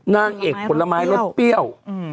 นางเอกผลไม้รสเปรี้ยว